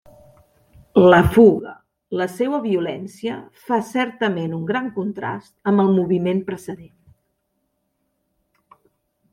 La fuga, la seua violència, fa certament un gran contrast amb el moviment precedent.